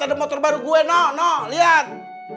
ada motor baru gue nuh nuh liat